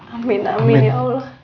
amin amin ya allah